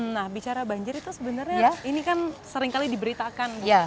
nah bicara banjir itu sebenarnya ini kan seringkali diberitakan